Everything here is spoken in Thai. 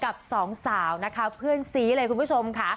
กับสองสาวนะคะเพื่อนซีเลยคุณผู้ชมค่ะ